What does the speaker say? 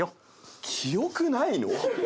記憶ないの？